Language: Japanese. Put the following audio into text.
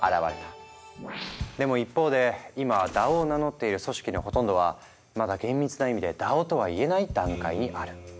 でも一方で今ＤＡＯを名乗っている組織のほとんどはまだ厳密な意味でＤＡＯとは言えない段階にある。